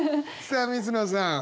さあ水野さん。